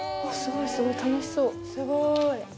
すごいすごい、楽しそう。